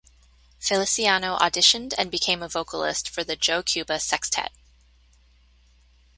Feliciano auditioned and became a vocalist for the Joe Cuba Sextet.